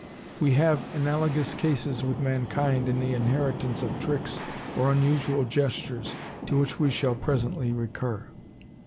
We have analogous cases with mankind in the inheritance of tricks or unusual gestures, to which we shall presently recur.